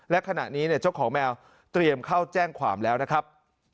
และขณะนี้เจ้าของแมวเตรียมเข้าแจ้งความแล้วนะครับ